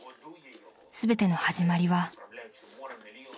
［全ての始まりは］